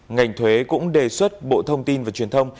ngành thuế cũng đề xuất bộ thông tin và truyền thông